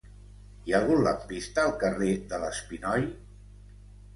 Hi ha algun lampista al carrer de l'Espinoi?